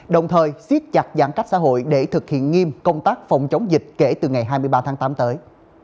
đồng thời xiết chặt giãn cách xã hội để thực hiện nghiêm công tác phòng chống dịch kể từ ngày hai mươi ba tháng tám tới